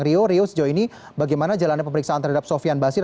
rio rio sejauh ini bagaimana jalannya pemeriksaan terhadap sofian basir